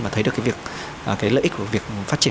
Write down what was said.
và thấy được cái lợi ích của việc phát triển